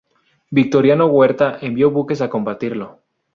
Victoriano Huerta envió buques a combatirlo.